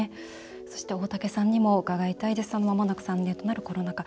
そして、大竹さんにも伺いたいですがまもなく３年となるコロナ禍